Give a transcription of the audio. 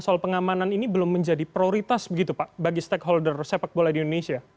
soal pengamanan ini belum menjadi prioritas begitu pak bagi stakeholder sepak bola di indonesia